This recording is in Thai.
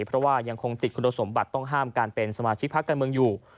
เพราะว่ายังคงติดคุณสมบัติต้องห้ามการเป็นสมาชิกพักการเมืองอยู่